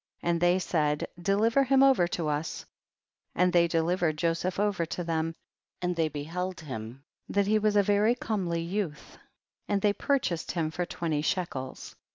and they said, deliver him over to us, and they delivered Joseph over to them, and they be held him, that he was a very comely youth and they purchased him for twenty shekels.